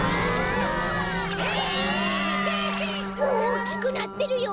おおきくなってるよ！